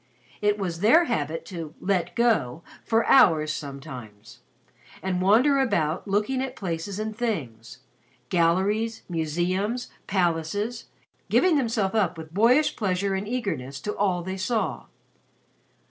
It was their habit to "let go" for hours sometimes, and wander about looking at places and things galleries, museums, palaces, giving themselves up with boyish pleasure and eagerness to all they saw.